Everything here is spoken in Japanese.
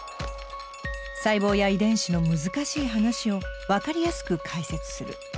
細胞や遺伝子の難しい話を分かりやすく解説する。